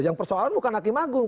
yang persoalan bukan hakim agung